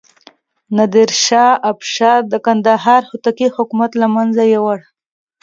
نادر شاه افشار د کندهار هوتکي حکومت له منځه یووړ.